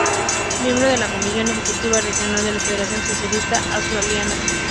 Miembro de la Comisión Ejecutiva Regional de la Federación Socialista Asturiana.